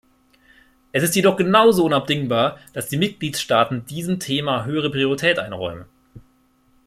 Es ist jedoch genauso unabdingbar, dass die Mitgliedstaaten diesem Thema höhere Priorität einräumen.